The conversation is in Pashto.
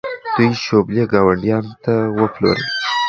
دوی شوبلې ګاونډیانو ته وپلورلې.